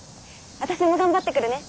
私も頑張ってくるね。